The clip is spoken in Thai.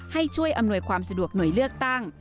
ให้ช่วยอำนวยความสะดวกหน่วยเลือกตั้ง